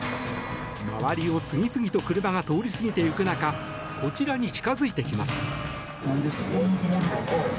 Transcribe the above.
周りを次々と車が通り過ぎていく中こちらに近づいてきます。